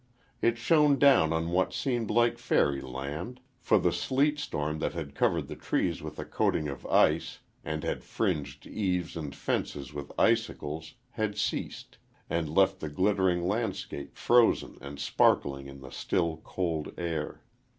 It shone down on what seemed like fairyland, for the sleet storm that had covered the trees with a coating of ice, and had fringed eaves and fences with icicles, had ceased, and left the glittering landscape frozen and sparkling in the still, cold air.